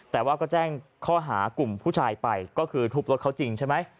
แต่ว่าก็แจ้งข้อหากลุ่มผู้ชายไปก็คือทุบรถเขาจริงใช่ไหม